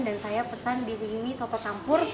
dan saya pesan di sini soto campur